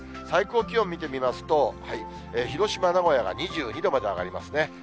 最高気温を見てみますと、広島、名古屋が２２度まで上がりますね。